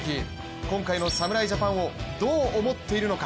今回の侍ジャパンをどう思っているのか。